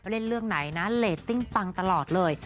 เล่นเรื่องไหนนะเรตติ้งปังตลอดเลย